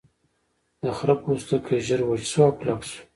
د خرۀ پوستکی ژر وچ شو او کلک شو.